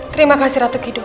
terima kasih ratu kidul